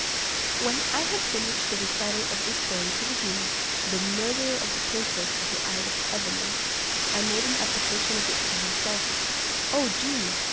When I had finished the recital of this story to the genie, the murderer of the princess of the isle of Ebene, I made an application of it to himself: "O genie!"